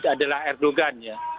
adalah erdogan ya